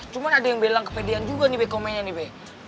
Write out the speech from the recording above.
cuma ada yang bilang kepedean juga nih be komennya nih be